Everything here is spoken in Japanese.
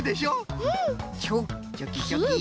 チョキチョキ。